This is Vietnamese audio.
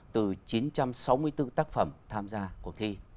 từ chín trăm sáu mươi bốn tác phẩm tham gia cuộc thi